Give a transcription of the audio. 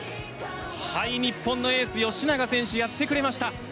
日本のエース吉永選手がやってくれました。